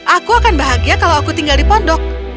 aku akan bahagia kalau aku tinggal di pondok